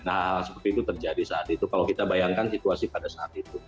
nah hal seperti itu terjadi saat itu kalau kita bayangkan situasi pada saat itu